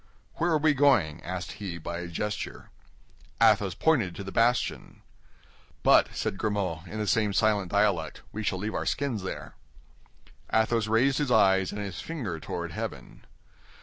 "Where are we going?" asked he, by a gesture. Athos pointed to the bastion. "But," said Grimaud, in the same silent dialect, "we shall leave our skins there." Athos raised his eyes and his finger toward heaven.